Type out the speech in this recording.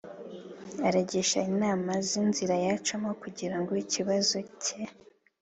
Aragisha inama z inzira yacamo kugirango ikibazo ke